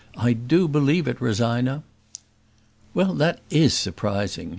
I do believe it, Rosina." "Well, that is surprising.